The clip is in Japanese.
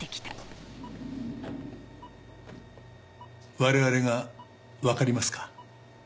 我々がわかりますか？